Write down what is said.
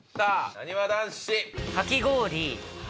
なにわ男子。